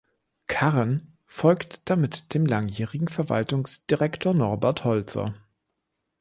Karren folgt damit dem langjährigen Verwaltungsdirektor Norbert Holzer.